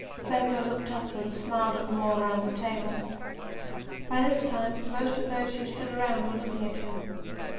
Burgo looked up and smiled at them all round the table. By this time most of those who stood around were looking at him.